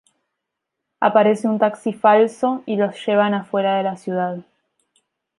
Aparece un taxi falso y los llevan afuera de la ciudad.